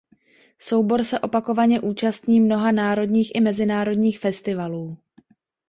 Soubor se opakovaně účastní mnoha národních i mezinárodních festivalů.